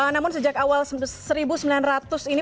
namun sejak awal seribu sembilan ratus ini